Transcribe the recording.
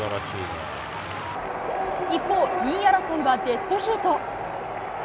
一方、２位争いはデッドヒート。